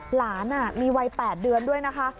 หลานมีวัย๘เดือนด้วยนะคะ